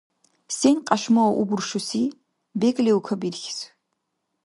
– Сен кьяшмау убуршуси? БекӀлиу кабирхьис.